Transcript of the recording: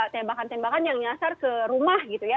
tembakan tembakan yang nyasar ke rumah gitu ya